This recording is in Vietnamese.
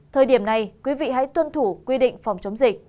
thời điểm này quý vị hãy tuân thủ quy định phòng chống dịch